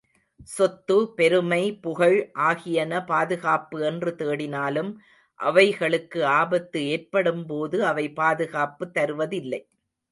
சொத்து, பெருமை, புகழ் ஆகியன பாதுகாப்பு என்று தேடினாலும், அவைகளுக்கு ஆபத்து ஏற்படும்போது அவை பாதுகாப்பு தருவதில்லை.